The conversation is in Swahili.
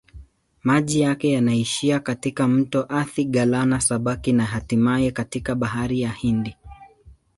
Maji yake yanaishia katika mto Athi-Galana-Sabaki na hatimaye katika Bahari ya Hindi.